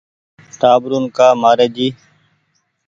ٽآٻرون ڪآ مآري جي